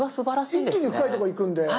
一気に深いとこ行くんで。